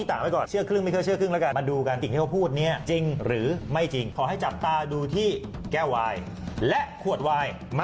หัวเรือนี้คือโรเบิร์ตถูกไหม